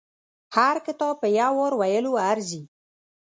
هر کتاب په يو وار ویلو ارزي.